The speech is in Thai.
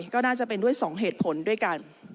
ก็น่าจะเป็นด้วย๒เหตุผลด้วยกัน